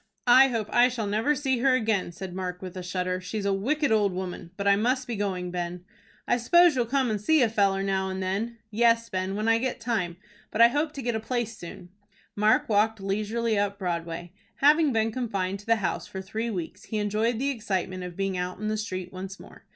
"I hope I shall never see her again," said Mark, with a shudder. "She is a wicked old woman. But I must be going, Ben." "I s'pose you'll come and see a feller now and then." "Yes, Ben, when I get time. But I hope to get a place soon." Mark walked leisurely up Broadway. Having been confined to the house for three weeks, he enjoyed the excitement of being out in the street once more.